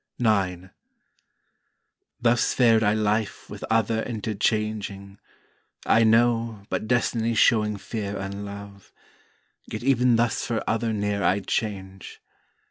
IX Thus fared I Life with other interchanging; I no, but Destiny showing fere unlove; Yet even thus for other ne'er I'd change.